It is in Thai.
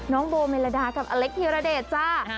น้องโบเมลดากับอเล็กธีรเดชจ้า